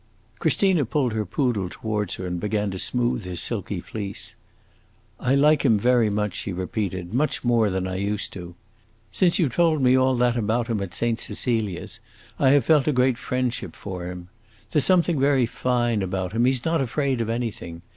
Christina pulled her poodle towards her and began to smooth his silky fleece. "I like him very much," she repeated; "much more than I used to. Since you told me all that about him at Saint Cecilia's, I have felt a great friendship for him. There 's something very fine about him; he 's not afraid of anything.